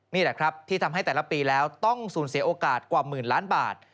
นี่แหละครับที่ทำให้แต่ละปีแล้วต้องสูญเสียโอกาสกว่าหมื่นล้านบาท